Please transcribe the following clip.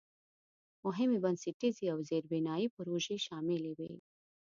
مهمې بنسټیزې او زېربنایي پروژې شاملې وې.